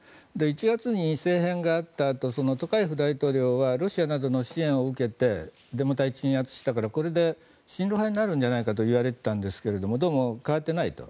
１月に政変があったあとトカエフ大統領はロシアなどの支援を受けてデモ隊を鎮圧したからこれで親ロ派になるんじゃないかといわれていたんですがどうも変わっていないと。